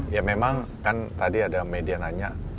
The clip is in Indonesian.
ya memang kan tadi ada media nanya